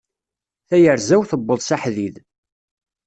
Tayerza-w tewweḍ s aḥdid.